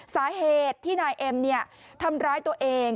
สาเหตุที่นายเอ็มทำร้ายตัวเอง